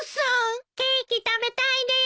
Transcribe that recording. ケーキ食べたいです！